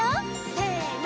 せの！